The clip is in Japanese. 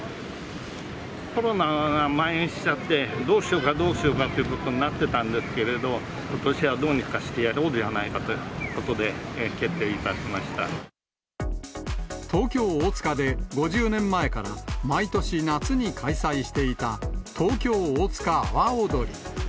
コロナがまん延しちゃって、どうしようかどうしようかっていうことになってたんですけれど、ことしはどうにかしてやろうじゃないかということで、決定いたし東京・大塚で、５０年前から毎年夏に開催していた、東京大塚阿波おどり。